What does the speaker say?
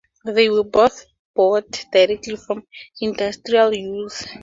They were both bought directly from industrial use.